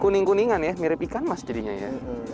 kuning kuningan ya mirip ikan mas jadinya ya